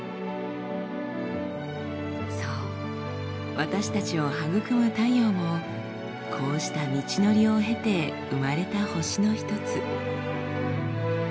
そう私たちを育む太陽もこうした道のりを経て生まれた星の一つ。